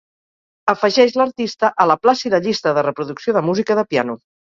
Afegeix l'artista a la plàcida llista de reproducció de música de piano.